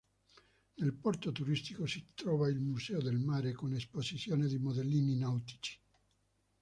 Nel porto turistico si trova il Museo del mare con esposizione di modellini nautici.